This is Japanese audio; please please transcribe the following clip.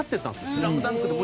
『スラムダンク』で。